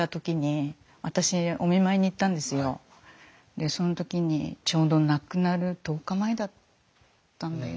でその時にちょうど亡くなる１０日前だったんだよね。